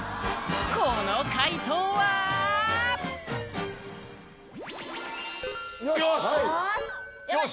この快答はよし！